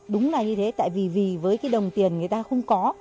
đúng là như thế tại vì vì với cái đồng tiền người ta không có